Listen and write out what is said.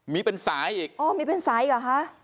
มีเป็นสายอีกอ๋อมีเป็นสายอีกเหรอคะ